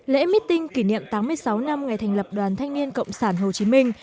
lễ meeting kỷ niệm tám mươi sáu năm ngày thành lập đoàn thanh niên cộng sản hồ chí minh